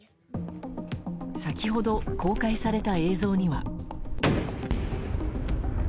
先ほど公開された映像には。